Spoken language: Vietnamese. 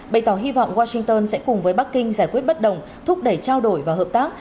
bày tỏ hy vọng washington sẽ cùng với bắc kinh giải quyết bất đồng thúc đẩy trao đổi và hợp tác